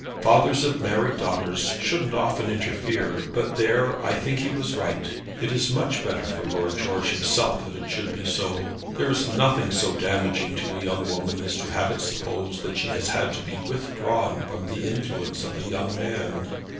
"Fathers of married daughters shouldn't often interfere, but there I think he was right. It is much better for Lord George himself that it should be so. There is nothing so damaging to a young woman as to have it supposed she has had to be withdrawn from the influence of a young man."